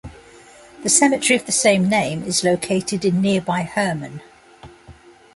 The cemetery of the same name is located in nearby Herman.